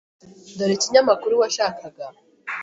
Dore ikinyamakuru washakaga.